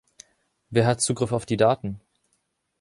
Wer hat Zugriff auf die Daten?